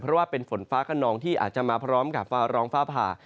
เพราะว่าเป็นฝนฟ้าขนองที่อาจจะมาพร้อมกับฟ้าร้องฟ้าผ่า